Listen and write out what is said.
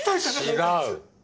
違う。